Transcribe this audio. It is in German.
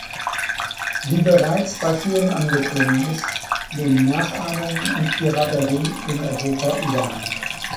Wie bereits bei vielen angeklungen ist, nehmen Nachahmungen und Piraterie in Europa überhand.